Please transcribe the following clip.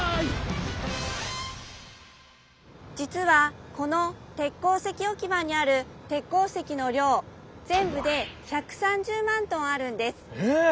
じつはこの鉄鉱石おき場にある鉄鉱石の量ぜんぶで１３０万トンあるんです。え！